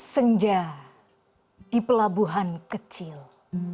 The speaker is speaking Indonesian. sengja di pelabuhan kecil